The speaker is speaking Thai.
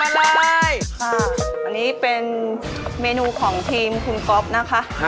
อันนี้เป็นเมนูของทีมคุณก๊อฟนะคะ